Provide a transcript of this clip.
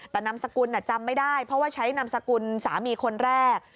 แต่นามสกุลจำไม่ได้เพราะว่าใช้นามสกุลสามีคนแรก